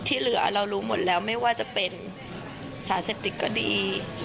ที่เหลือเรารู้หมดแล้วไม่ว่าจะเป็นสารเสพติดก็ดี